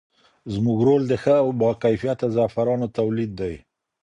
زموږ رول د ښه او باکیفیته زعفرانو تولید دی.